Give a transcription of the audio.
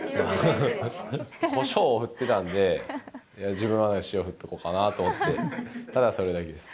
コショウを振ってたので、いや、自分は塩振っとこうかなと思って、ただそれだけです。